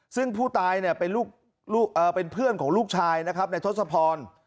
ซึ่งผู้ตายเนี่ยเป็นเพื่อนของลูกชายนะครับในทศพร